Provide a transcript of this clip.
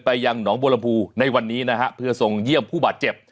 ยังหนองบัวลำพูในวันนี้นะฮะเพื่อส่งเยี่ยมผู้บาดเจ็บ